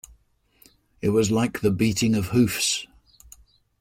It was like the beating of hoofs.